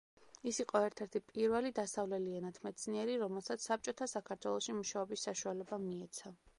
ის იყო ერთ-ერთი პირველი დასავლელი ენათმეცნიერი, რომელსაც საბჭოთა საქართველოში მუშაობის საშუალება მიეცა.